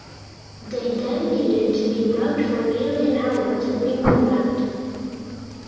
They then needed to be "rubbed for nearly an hour to bring them round".